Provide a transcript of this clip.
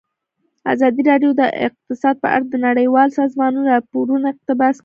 ازادي راډیو د اقتصاد په اړه د نړیوالو سازمانونو راپورونه اقتباس کړي.